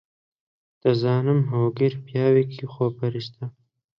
دەزانم هۆگر پیاوێکی خۆپەرستە.